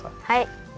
はい。